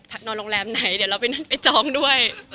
พักนอนโรงแรมไหนเดี๋ยวเราไปนั่นไปจองด้วย